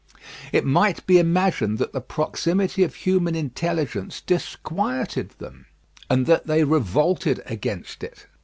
It might be imagined that the proximity of human intelligence disquieted them, and that they revolted against it.